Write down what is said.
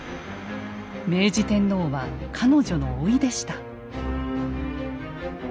明治天皇は彼女のおいでした。